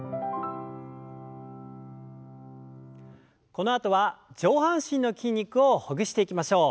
このあとは上半身の筋肉をほぐしていきましょう。